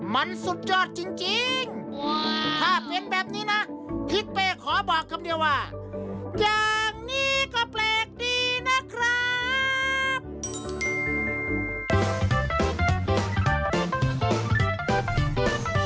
มันสุดยอดจริงถ้าเป็นแบบนี้นะทิศเป้ขอบอกคำเดียวว่าอย่างนี้ก็แปลกดีนะครับ